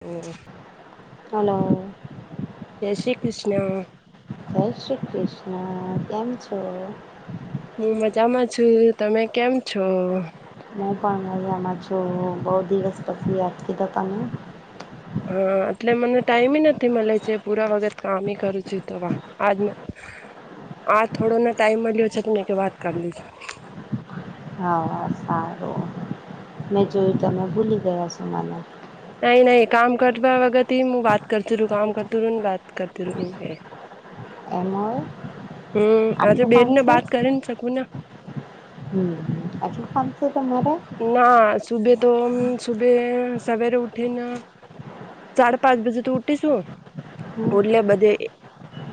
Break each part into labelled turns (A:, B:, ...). A: ઓ
B: hello
A: જય શ્રી કૃષ્ણ
B: જય શ્રી કૃષ્ણ કેમ છો.
A: હું મજામાં છું તમે કેમ છો.
B: હું પણ હયામાં છું બહુ દિવસ પછી યાદ કીધા તમે.
A: હા એટલે મને ટાઈમ નથી મળે છે પૂરા વખત કામ કરું છું તો વા આજ આ થોડોને ટાઈમ મળ્યો છે તમેં કે વાત કરી લેજો.
B: હા સારું મેં જોયું તમે ભૂલી ગયા છો મને.
A: નહી નહી કામ કરવા વગત હું બાત કરતી રું કામ કરતોું રું બાત કરતી રું. [inaudible]
B: એમર
A: હમ આજે બેટ ને બાત કરીન શકું ના
B: હમ આછ પામ [unintelligible]
A: ના સુભે તો મ સુભે સવેરે ઉઠેને સાડા પાંચ બજે તો ઉઠીશું
B: હમ
A: પુરલે બધે એ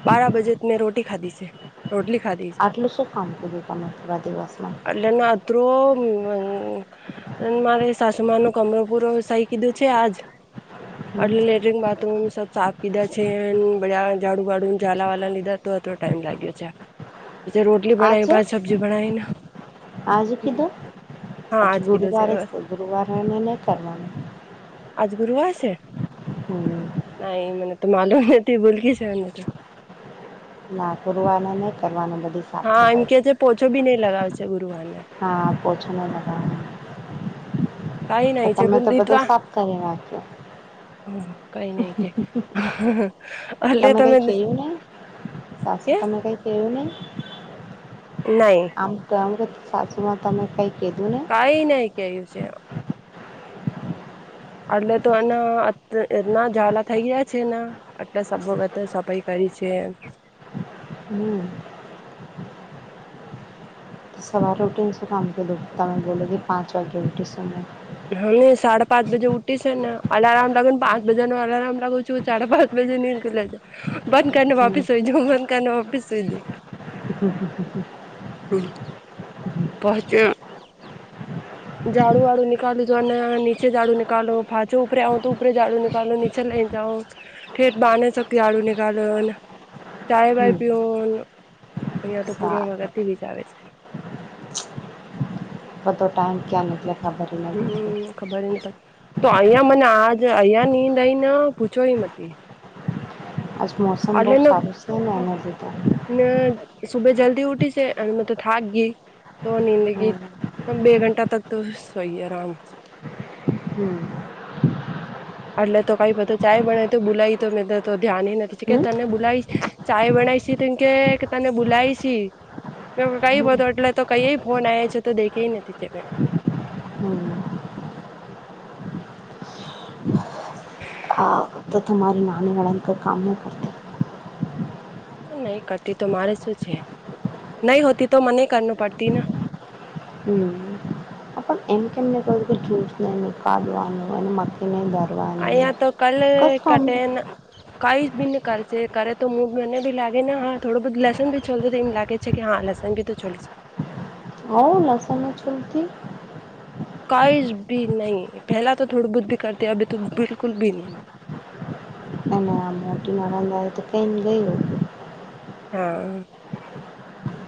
A: બારા બજે મેં રોટી ખાધી છે. રોટલી ખાધી છે
B: આટલું શું કામ કીધું તમે થોડા દિવસમાં
A: એટલેના અત્રો હમ-મ-મ અને મારે સાસુમા ન કમરો પૂરો સહી કીધું છે આજ.
B: હમ
A: અડલે લેટ્રીન્ગ બાત તુમ સબ સાફ કીધા છે બડયા ઝાડુ વાડુ ઝાલા વાલા લીધા તો અત્તરો ટાઈમ લાગ્યો છે. પછી રોટલી બનાવી
B: આજે
A: પાંચ સબ્જી બનાવીને હમ
B: આજ ગુરુવારે [unintelligible] ગુરુવારે એને નહીં કરવાનું
A: આજ ગુરુવાર છે.
B: હમ
A: ના એ મને તો માલુમ નથી ભોલકી છે એમને તો.
B: ના પુરવાનું નહી કરવાનું બધ
A: હા! એમ કે છે પોછો બી નઈ લગાવે છે ગુરુવારને
B: હા પછનને લગાવના.
A: કઈ નાહી છે પણ દિતવા
B: કરી નાખ્યો
A: હ્ કઈ નહ કે [unintelligible] એલે તમે
B: સાસું
A: નઈ
B: તમે કંઈ કેય્યું નહી? આમ તો અમરુત સાચુંમાં તમે કઈક
A: કઈ નહી કેય્યું છે એમ. એટલે તો એના [unintelligible] એના ઝાલા થઈ ગયા છેના એટલે સ વગત સફાઈ કરી. શું છે.
B: હમ તો સવારે રટીને શું કામ કધું તમે બોલો કે પાંચ વાગે રોટી શુંમે
A: હા સાડાે પાંચ બજે ઉઠી છે ને અલારમ લાગે ને પાંચ બજા નો અલારમ લાગું છું સાડાે પાંચ નીંદ ખુલે છે બંધ કરીને
B: હમ
A: વાપીસઈ જાઉ બંધ કરીને વાપીસઈ જાઉ.
B: હ- હ- હ- હ
A: હ મ પહંચ્યા ઝાડુ વાળું નીકાલ્યું જો અને નીચે ઝાડુ નીકાળું ફાચો ઉપરે આવો તો ઉપર ઝાડું નિકાલો નીચે લઈ જા થઠેટ બાંધ [unintelligible] ઝાડું નીકાલુ ને ચાય ભાય
B: હમ
A: પીઉ ને અહીંયા તો પૂરણ
B: સારું
A: વગતિ બી જ આવે છે. [unintelligible]
B: હતો ટાઈમ ક્યા નિકલે.
A: હમ ખબર ની પ તો અહિયાં મને આજ અહિયાયા નીંદઈને પૂછો એ મતી!
B: આજ મોસમ બહુ
A: અલે ન
B: સારું છે ને
A: હા
B: એના લીધે
A: [unintelligible] સુબે જલ્દી ઉઠી છે અને મે તો થાક ગઈ તો નિનીંદગી.
B: હમ
A: હમ બે ઘંટા તક તો સોઈએ આરામ
B: હમ!
A: એટલે તો કઈ બધ ચાય બના તો બુલાઈ તો મેં ધ્યાન નથી કે
B: હમ
A: તને બુલાઈ ચાય બ બુલાઈસી તન કે તને બુલાાયસી. કઈ
B: હમ
A: બધું એટલે તો કઈ ફોન આવ છે તો દેખી નથી જે મે
B: હમ.
A: [unintelligible]
B: હા તો તમારી નાણા વાળન કર કામો કરતી.
A: નહી કરતી તો મારે શું છે. નહી હોતી તો મને કર પડતી ના.
B: હમ પણ એમ કેમને ક્યું કે કા વાનું મા ન.
A: અયા તો કલ કટે કઈ બીને કરશે કરે તો મને ભી લાગે ને હા થોડું બધું લેસન ભી ચોતો એમ લાગે છે કે હા. નાસાંગી તો ચલી છે.
B: હવ લસ ના ચલ્તી
A: કાઈશ ભી નહી પહેલા તો થોડી બહુત ભી કરતી અભ તો બિકુલ ભી નહી. [unintelligible]
B: અને મોટી ન રંધ આવે તો કઈ ગયું.
A: હા.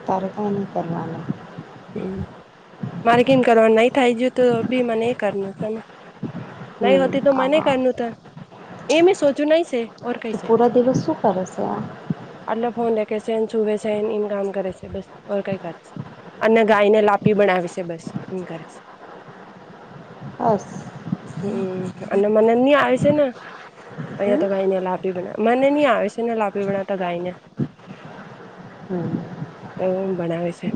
B: તારકા ન કરવાના.
A: માર્કિંગ કરવાનું નહી થાય જોય તો બીમાને એ કરનું છે. નહી
B: હમ
A: હોતી તો મને
B: હા
A: કરનું ત એ મેં સોચ્યું નહી છે. ઓર કૈ
B: તો
A: છે
B: પૂરા દિવસ શું કરે છે આ
A: અલે ફોન એક કેન સુે સન ન કામ કરે છે બસ કઈ કરે છે. અને ગાયને લાપી બનાાવ છે બસ એમ કરે છે.
B: હસ
A: હમ અને મને નહ આવે છે ને અહિયાં
B: હમ
A: તો ગાઈને લાભ. લાીના મને નહી આવે છે ને લાપડી બનાતા ગાયને
B: હમ
A: તોું બનાવે છે.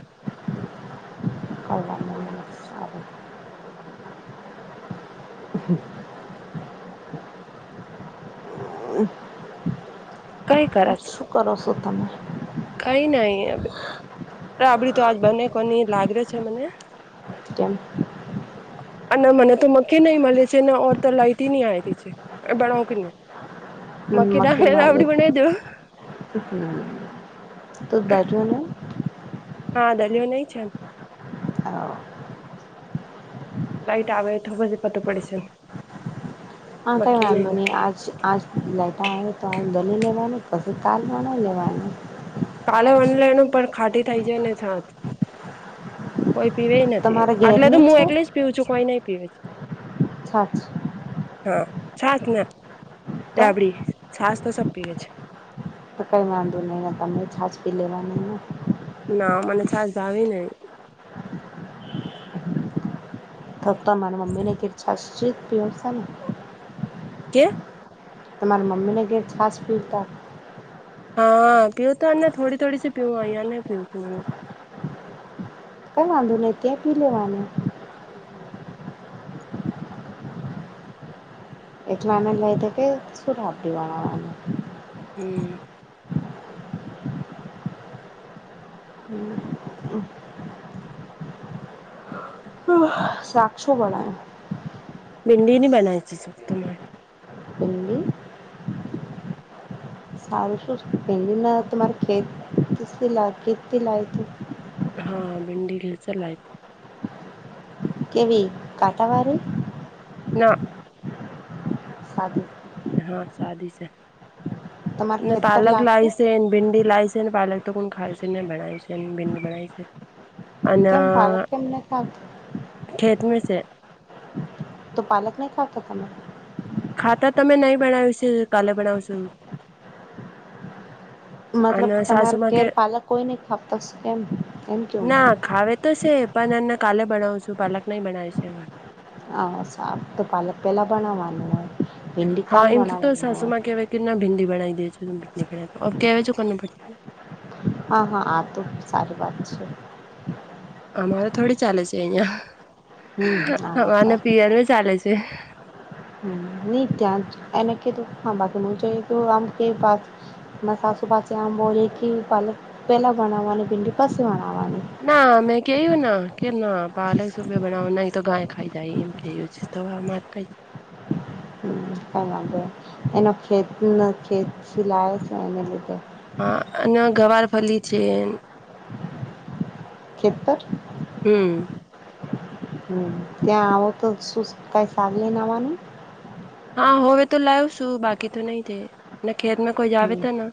B: કરવાનું સારું
A: હમ કઈ કર છે.
B: શું કરશો તમે
A: બાબડી તો આ બને કોની લાગ ર છે મને
B: સ કેમ
A: હ. અને મને તો મખી નહી મળે છેને ઓર તો લાઈટી નહી આવીી છે એ બણાવકને
B: હમ મ માલે. તો દારજન
A: હા દલીયો નહ છે.
B: હા
A: લાઈટ આવેથવા જ પત પડે છે.
B: હા કઈ વાંધંધો નહી આજ આજ લટા તો લેવાનું પછી તાલમાં ના લેવાનું
A: કાલે વનલાનું પણ ખાટી થઈ જાય ને સાત. કોઈ પીવે નથી
B: તમારા
A: આટલે તો
B: ઘેરની
A: હું
B: છે
A: એટલે જ પીઉું છું કોઈ નહી પીવે છે.
B: સાચ
A: હા છાસ ના
B: તો
A: રાબડી છાસ તો સબ પીવે છે.
B: તો કંઈ વાંધો નહીિ ને તમે છાજપી લેવા ન
A: ના મને ચાર ભ આવી નહી.
B: તો તો મારા મમ્મી ને ખીચાાસ પીવશે ને
A: ક્યાં
B: તમારા મમ્મી ને ઘેર છશ પીરતા.
A: હા પીઉ તોને થોડી થોડી સી પીઉ આઈને પીઉ છું હ.
B: કઈ વાંધો નહ ક્યાં પી લેવાનું
A: હમ.
B: એટલે આને જ લઈ ત કે શું લાભ દેવાવામાં
A: હમ
B: સાક્ષક્ષો બણો
A: ભિંડી ની બનાય છે જત
B: હન્ડી
A: હમ
B: સારું શું પેલી ના તમારે ખેત ખેતથી લાય ત
A: હા ભિંડી ઘ ચલા તો.
B: કેવી કાટાવાળ
A: ના
B: સાજું
A: હા સાદી છે
B: તમારા ખેત પર
A: પાલક
B: લાગશે
A: લાય છે ભિંડી લાવ. પાલક તો કોણ ખાય છે ને બણાય છે ને ભિંદ બણાય છે. અને
B: કેમ પાલક કેમ નહીં ખાતા
A: ખેતમાં છે.
B: તો પાલક નહી ખાતા તમે
A: ખાતા તમે નહી બનાાવ્યું છે કાલે બનાવ છોું.
B: મતલબ તમારા ઘેર પાલક કોઈ નહી ખાપતા કેમ કેમ કે
A: ન એને કાલે બનાાવું છું પાલક નહી બનાવે છે એવા.
B: હ સાફ તો પાલક પેલા બણવાનું.
A: હા એમથી તો સાસુ
B: હોય
A: માં કેવાય કે ના ભીંદ. બના દેજ કય જો કર પડતી ને
B: હા હા આ તો સારી વાત છે.
A: અમારે થોડી ચાલે છે
B: હમ
A: અહિયાં
B: આ વાત
A: અમારને પીએલ ચાલે છે.
B: ન ત્યાં એને કે ત ખાભ અમ. ના સાસુબાચ આમ બોલ કે પ પેલા બનાવા અને ભિંડી પાસે બના.
A: ના મેમે. કેયું કેમ નાલક સુભે બનાવો નહી તો ગાય ખાઈ જાય એમ કેયું છે તોરે છે. [unintelligible]
B: મગ એનો ખેત ખેત સિલાવે છે એને લીધે
A: હા અને ગવારફલી છે.
B: કેત
A: હમ
B: હમ ત્યાં આવો તો શું કઈ સાગ નવાનું
A: હા હોવે તો લાવશું બાકી તો નહી છે ખેતમાં કોઈ જ આવે
B: હમ
A: તોને.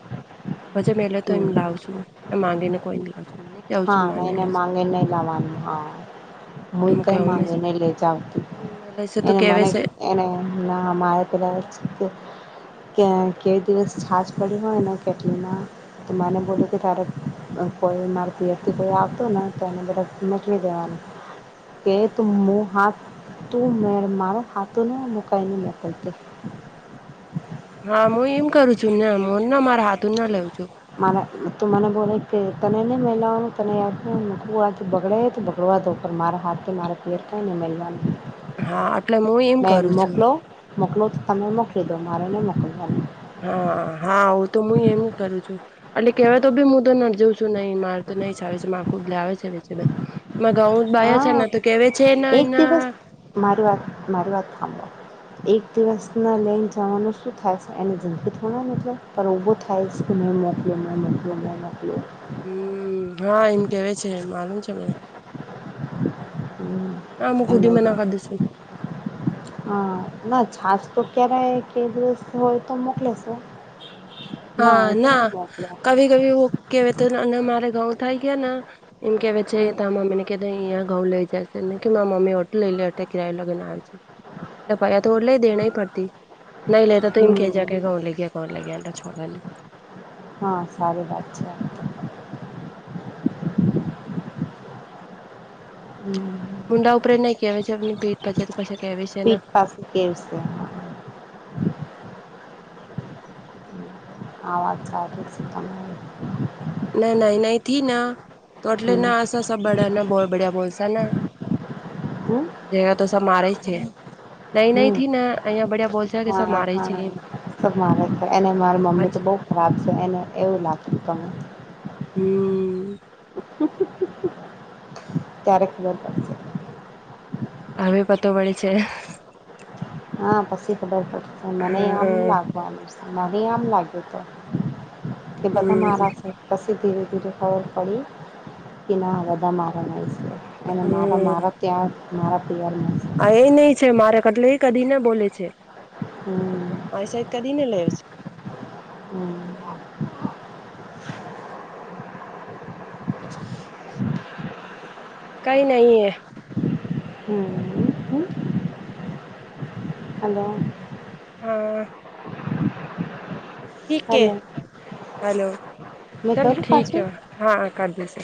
A: તો પછે મે એલે તો એઈમ
B: હમ
A: લાવ છું ને માંગી ને કોઈને લાવશું
B: હા એને માંગીને નહી લવાનું હા. હું
A: એમ
B: કઈ
A: કેવું ને છે
B: ગને લે જાવ
A: તો મેલે છે તો
B: એને
A: કેવે
B: મને
A: છે
B: એને એ નાામ આત રહે છ કે કે કેવી દિવસ છાછ પડી હોય ને કેટલીના તને
A: હમ
B: બોલો કે તારે કોઈ થી કોઈ આવતો ને તો એને બધાજવી દેવાનું કે તું હું હાથ તું મેળ માર હાથને મુકાઈને મોકલતી.
A: હા હું એમ કરું છું ને હ ના મારા હાથ ના લેઉ છું.
B: મા તું મને બોલો તને ન મહિલાઓ તને આજ બગડે બગડવા ઉપર મારા હાથે મારે પેર થને મલવાનું
A: હા એટલે હું એમ કરું છું.
B: મોકલોું તો તમે મોકલી દો મારેને મોકલવાની
A: હા હા હ તો હું એમ કરું છું એટલે કેવાય તો બી હું તો ન જઉં છું નહી માર તો. નહી છે આખું બ લાવ આવે છે બાજુ એમાં ઘઉં બાહ છે ને
B: હા
A: તો. કેવે છે ને
B: એક
A: એના
B: દિવસ માર વાત મારી વાત સાંભો એક દિવસ. ના લઈને જવાનું શું થાય છે એને જંદગી થોડા મતલેબ પણ ઊભો થાય છે કે મેં મોક્યો ને મ બ
A: હમ હા એમ કેવા છે માલુમ છે મને ના મુું
B: એમ
A: કુદીી મ ના કાધીસ
B: હા ના છાાસ તો ક્યારે કે દિવસ હોય તો મોકલે છેો.
A: હા ના કવી કભીું કેવા અને મારે ઘઉ થાય ગયા ને એનકે વચેતામાંમ એ અહંયા ઘઉ લઈ જશે ને કે મારા મમ્મી હોટલ લઈ લે કિયયો લગીને આવે છે. લપાયા તો ઓલે દના પડતી નહી લતા તોઇમ કે
B: હમ
A: જાકે કોણ લે ગયા કોણ લે ગયા છોડનું
B: હા સારી વાત છે આ હમ
A: મુંડા ઉપર ન કેહેવાય છે એમ પેટજાર
B: પીઠ પાછી કેવ છે આવાજ સા છે ત
A: ના ના નઈ થી ના તો એટલે
B: હમ,
A: ના આ સ બડાના બોલ બિયા બોલસા ને
B: હમ,
A: જ તો સ મારે જ છે નઈં નહીં
B: હમ.
A: થી ને અહિયાં બડિયા બોલ છે કે સબ
B: હા,
A: મારે છે
B: હા.
A: એમ
B: મારે છે એને મારી મમ્મી તો બહુ ખરાબ છે એને એવું લાગતું તને
A: હમ
B: ત્યારે ખબર પડશે
A: હવે પતો પે છે.
B: હા પછી ખર મને આમ
A: હા
B: લાગવાનું છે. મને આમ લાગ્યું તો કે બધા
A: હમ
B: મારા છે પછી ધીરે એને ખબર પડી કે ના આ બધા મારા ન છે અનેને મારા મારા ત્યાં મારા પિયર ના
A: હ એ નહ છે મારે કેટલે એ કદી ને બોલે છે.
B: હમ.
A: કદીને લે વ છે.
B: હમ.
A: કઈ નહી હ
B: હમ, હમ. હલો,
A: હા.
B: હમ
A: હેલો ચાલ ઠીક
B: પાછું?
A: હ હા કર દશે